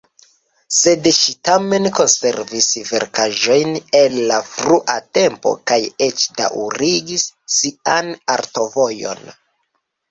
Sed ŝi tamen konservis verkaĵojn el la frua tempo kaj eĉ daŭrigis sian artovojon.